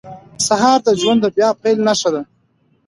سهار د ژوند د بیا پیل نښه ده.